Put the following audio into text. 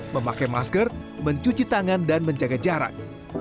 memakai masker mencuci tangan dan menjaga jarak